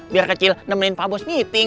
biar kecil nemenin papa bos meeting